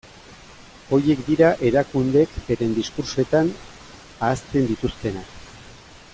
Horiek dira erakundeek beren diskurtsoetan ahazten dituztenak.